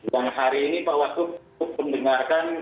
yang pertama saya mengucapkan terima kasih kepada pak wakup